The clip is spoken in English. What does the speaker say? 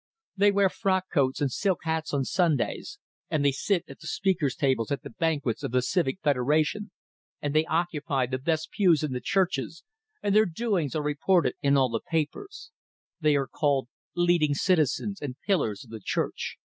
They wear frock coats and silk hats on Sundays, and they sit at the speakers' tables at the banquets of the Civic Federation, and they occupy the best pews in the churches, and their doings are reported in all the papers; they are called leading citizens and pillars of the church.